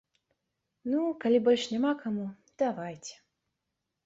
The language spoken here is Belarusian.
Ну, калі больш няма каму, давайце!